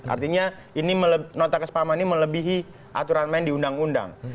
artinya ini nota kesepahaman ini melebihi aturan main di undang undang